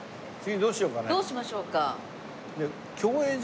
どうしましょうか？